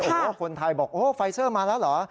โอ้โหคนไทยบอกโอ้ไฟเซอร์มาแล้วเหรอ